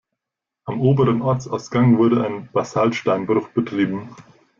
Am oberen Ortsausgang wurde ein Basaltsteinbruch betrieben.